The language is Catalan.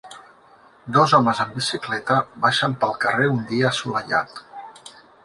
Dos homes en bicicleta baixen pel carrer un dia assolellat.